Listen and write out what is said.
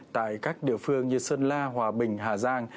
tại các địa phương như sơn la hòa bình hà giang